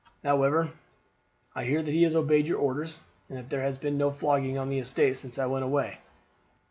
"However, I hear that he has obeyed your orders, and that there has been no flogging on the estate since I went away.